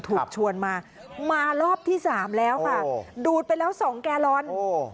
ถูกชวนมามารอบที่สามแล้วค่ะดูดไปแล้วสองแกลลอน